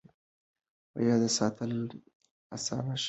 یاد ساتل اسانه شوي دي.